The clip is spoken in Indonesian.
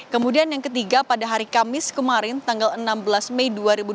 kemudian yang ketiga pada hari kamis kemarin tanggal enam belas mei dua ribu dua puluh